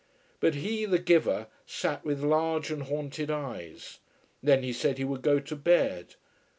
But he, the giver, sat with large and haunted eyes. Then he said he would go to bed.